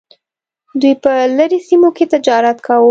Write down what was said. دوی په لرې سیمو کې تجارت کاوه.